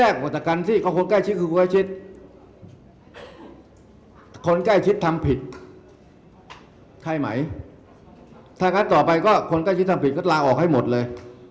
คนใกล้คิดทำผิดใช่ไหมถ้าการต่อไปก็คนใกล้คิดทำผิดก็ลาออกให้หมดเลย